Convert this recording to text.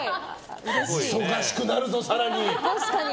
忙しくなるぞ、更に。